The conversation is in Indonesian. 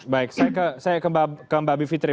baik saya ke mbak bivitri